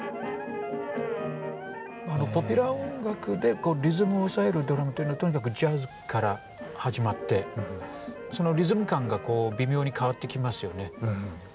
ポピュラー音楽でリズムを押さえるドラムというのはとにかくジャズから始まってそのリズム感がこう微妙に変わってきますよね。